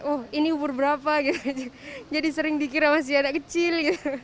oh ini umur berapa jadi sering dikira masih anak kecil gitu